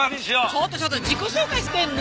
ちょっとちょっと自己紹介してるの？